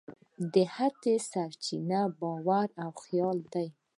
د هڅې سرچینه باور او خیال دی.